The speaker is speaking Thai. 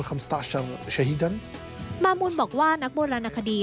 มามูลบอกว่านักโบราณคดี